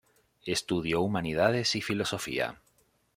Estudió humanidades y filosofía.